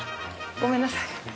ごめんなさい。